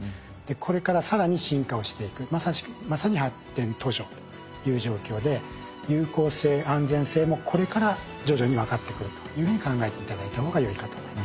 これから更に進化をしていくまさに発展途上という状況で有効性安全性もこれから徐々に分かってくるというふうに考えて頂いた方がよいかと思います。